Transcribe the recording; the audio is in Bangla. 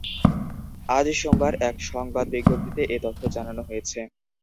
আজ সোমবার এক সংবাদ বিজ্ঞপ্তিতে এ তথ্য জানানো হয়েছে।